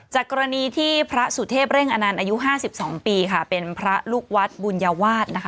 จากกรณีที่พระสุเทพเร่งอนันต์อายุ๕๒ปีค่ะเป็นพระลูกวัดบุญวาสนะคะ